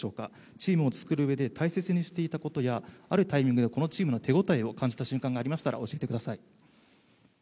チームを作るうえで大切にしていたことや、あるタイミングでこのチームの手応えを感じた瞬間がありましたら、教えてください。